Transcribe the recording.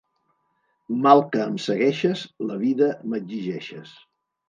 Mal que em segueixes la vida m'exigeixes.